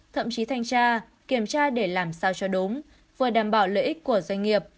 thậm chí thanh tra kiểm tra để làm sao cho đúng vừa đảm bảo lợi ích của doanh nghiệp